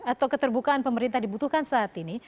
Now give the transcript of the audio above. atau keterbukaan pemerintah dibutuhkan saat ini